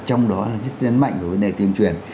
trong đó rất mạnh đối với tiêm chuyển